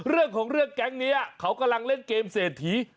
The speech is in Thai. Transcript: เรื่องของเรื่องแก๊งนี้เขากำลังเล่นเกมเศรษฐี